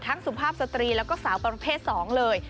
ทั้งสภาพสตีรีและกับสาวประเภท๒เลย